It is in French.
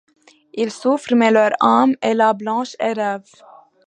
Ils souffrent ; mais leur âme est là, blanche et-rêvant